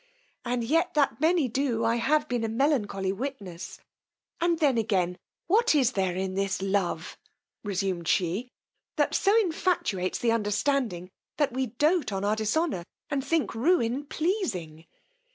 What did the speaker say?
and yet that many do, I have been a melancholy witness: and then again, what is there in this love, resumed she, that so infatuates the understanding, that we doat on our dishonour, and think ruin pleasing?